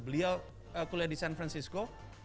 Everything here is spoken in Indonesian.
beliau kuliah di san francisco